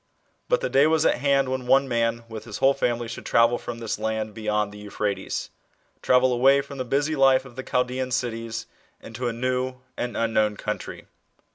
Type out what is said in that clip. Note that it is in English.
But the day was at hand when one man with his whole family should travel from this land beyond the Euphrates, tmvel away from the busy life of the Chaldean cities into a new and unknown country.